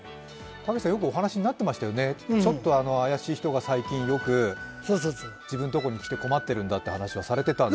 たけしさん、よくお話になっていましたよね、ちょっと怪しい人が最近よく自分の所に来て困ってるんだと話はされてたんで。